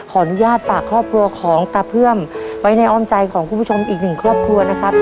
ขออนุญาตฝากครอบครัวของตาเพื่อมไว้ในอ้อมใจของคุณผู้ชมอีกหนึ่งครอบครัวนะครับ